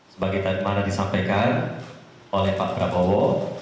sebagai tadi mana disampaikan oleh pak prabowo